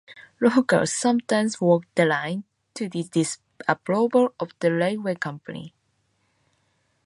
Locals sometimes walk the line, to the disapproval of the railway company.